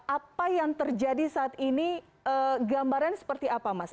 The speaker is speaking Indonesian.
apa yang terjadi saat ini gambarannya seperti apa mas